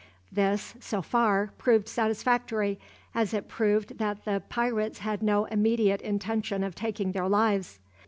This, so far, proved satisfactory, as it proved that the pirates had no immediate intention of taking their lives.